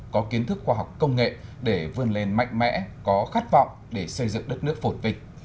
có kiến thức khoa học công nghệ để vươn lên mạnh mẽ có khát vọng để xây dựng đất nước phổn vịnh